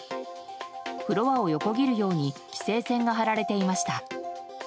フロアを横切るように規制線が張られていました。